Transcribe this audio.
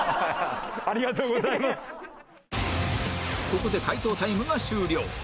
ここで解答タイムが終了